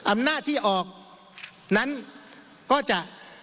อำนาจที่ออกนั้นก็จะ